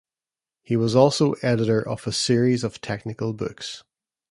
He was also editor of a series of technical books.